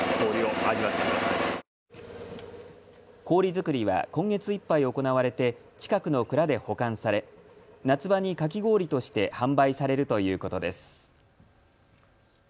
氷作りは今月いっぱい行われて近くの蔵で保管され夏場にかき氷として販売されるということです。